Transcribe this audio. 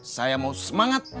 saya mau semangat